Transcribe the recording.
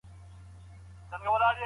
ماشومانو ته د مینې درس ورکړئ.